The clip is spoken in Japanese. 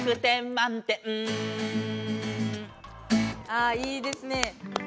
ああいいですね。